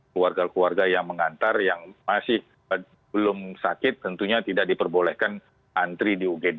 keluarga keluarga yang mengantar yang masih belum sakit tentunya tidak diperbolehkan antri di ugd